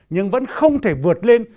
nhưng vẫn không thể vượt lên